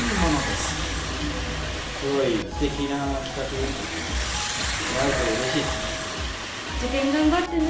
すごいすてきな企画ですね。